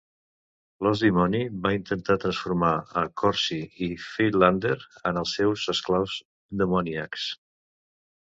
L'Ós Dimoni va intentar transformar a Corsi i Friedlander en els seus esclaus demoníacs.